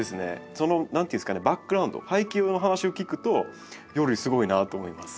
その何ていうんですかねバックグラウンド背景の話を聞くとよりすごいなと思います。